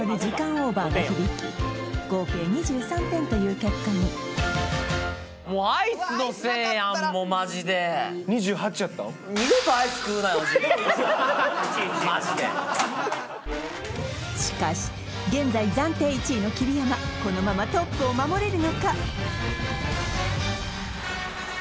オーバーが響き合計２３点という結果に・うわアイスなかったらマジでしかし現在暫定１位の桐山このままトップを守れるのか？